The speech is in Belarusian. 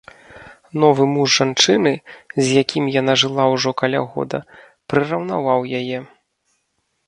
Новы муж жанчыны, з якім яна жыла ўжо каля года, прыраўнаваў яе.